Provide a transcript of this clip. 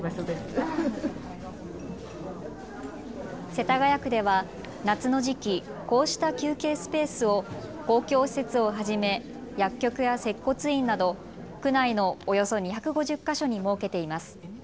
世田谷区では夏の時期こうした休憩スペースを公共施設をはじめ、薬局や接骨院など区内のおよそ２５０か所に設けています。